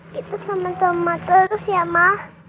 kita sama sama terus ya ma